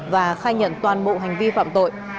và khai nhận toàn bộ hành vi phạm tội